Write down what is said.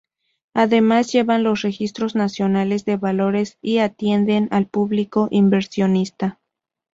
Además llevan los registros nacionales de valores y atienden al público inversionista.